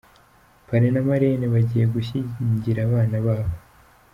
Parrain na Marraine bagiye gushyigira abana babo.